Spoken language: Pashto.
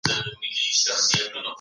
هغه ټولني چي علم لري پرمختګ کوي.